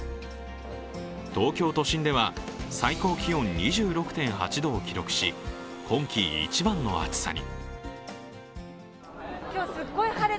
東京都心では最高気温２６．８度を記録し今季一番の暑さに。